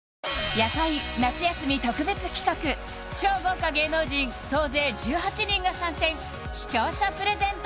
「夜会」夏休み特別企画超豪華芸能人総勢１８人が参戦視聴者プレゼント